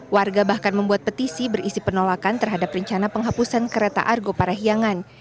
warga bahkan membuat petisi berisi penolakan terhadap rencana penghapusan kereta argo parahiangan